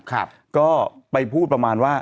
ก็ไปพูดประมาณว่า